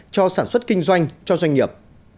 cho sản xuất kinh doanh cho doanh nghiệp